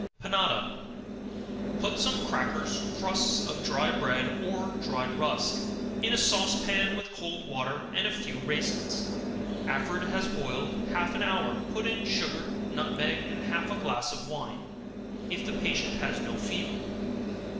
Panada. Put some crackers, crusts of dry bread or dried rusk, in a sauce pan with cold water, and a few raisins; after it has boiled half an hour, put in sugar, nutmeg, and half a glass of wine, if the patient has no fever.